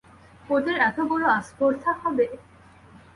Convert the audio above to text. ওদের এত বড়ো আস্পর্ধা হবে?